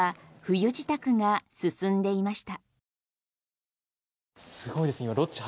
施設では冬支度が進んでいました。